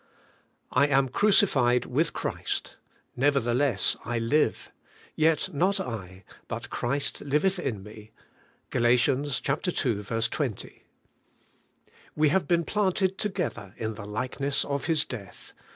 'I am crucified with Christ : nevertheless I live ; yet not I, but Christ liveth in me. '— Gal. ii. 20. ' We have been planted together in the likeness of His death.